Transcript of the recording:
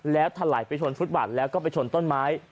แล้วทะไหลไปชนฟุฦาษณ์แล้วก็ไปชนต้นไม้